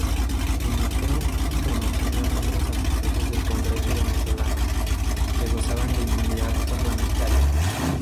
Suministró su información a miembros amistosos del Congreso venezolano, que gozaban de inmunidad parlamentaria.